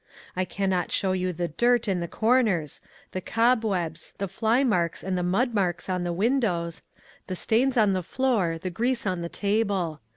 I can not show you the dirt in the corners, the cobwebs, the fly marks and mud marks on the windows, the stains on the floor, the grease on the table.